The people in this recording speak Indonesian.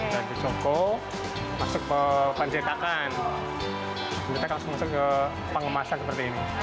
kita dikocok masuk ke pancetakan kembali langsung masuk ke pengemasan seperti ini